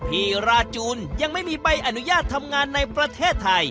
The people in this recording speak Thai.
ราจูนยังไม่มีใบอนุญาตทำงานในประเทศไทย